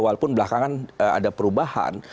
walaupun belakangan ada perubahan